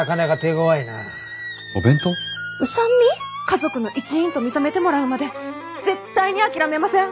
家族の一員と認めてもらうまで絶対に諦めません！